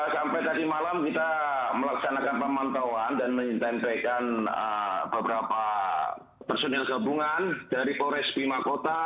sampai tadi malam kita melaksanakan pemantauan dan mengintempelkan beberapa personil gabungan dari polres bima kota